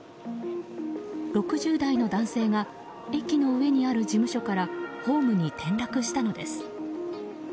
６０代の男性が駅の上にある事務所からホームに転落したのです。